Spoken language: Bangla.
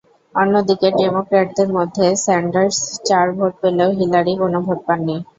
অন্যদিকে ডেমোক্র্যাটদের মধ্যে স্যান্ডার্স চার ভোট পেলেও হিলারি কোনো ভোট পাননি।